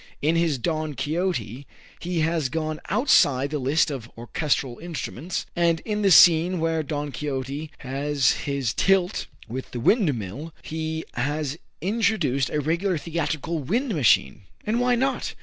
In his "Don Quixote," he has gone outside the list of orchestral instruments; and in the scene where Don Quixote has his tilt with the windmill, he has introduced a regular theatrical wind machine. And why not?